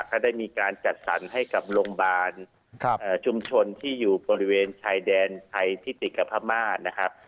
ก็ได้มีการจัดสรรให้กับโรงพยาบาลชุมชนที่อยู่บริเวณชายแดนไทยที่ติดกับพม่านะครับ